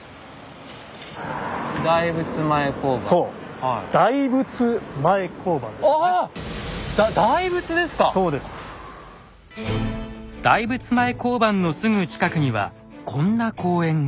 大仏前交番のすぐ近くにはこんな公園が。